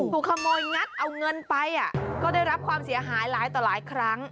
ถูกขโมยงัดเอาเงินไปก็ได้รับความเสียหายหลายต่อหลายครั้ง